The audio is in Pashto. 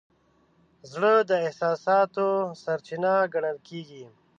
زړه د احساساتو سرچینه ګڼل کېږي.